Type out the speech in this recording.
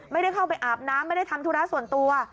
ไม่ได้เข้าไปอาบน้ำไม่ได้ทำธุระส่วนตัว